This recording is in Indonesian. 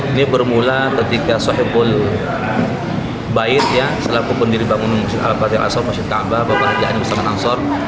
ini bermula ketika sohebul bair selaku pendiri bangunan masjid al fatih al ansor masjid kaabah bapak haji ani mustamin kansor